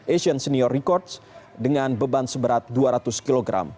asian senior records dengan beban seberat dua ratus kg